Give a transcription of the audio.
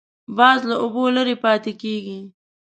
باز له اوبو لرې پاتې کېږي